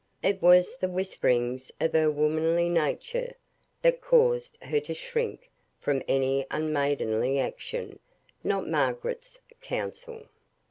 It was the whisperings of her womanly nature that caused her to shrink from any unmaidenly action, not Margaret's counsel.